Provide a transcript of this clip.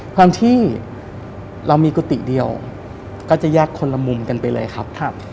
ความที่เรามีกุฏิเดียวก็จะแยกคนละมุมกันไปเลยครับ